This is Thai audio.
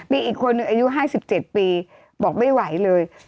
มีอีกคนหนึ่งอายุ๕๗ปีบอกไม่ไหวเลย